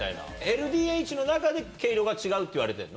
ＬＤＨの中で毛色が違うっていわれてるの？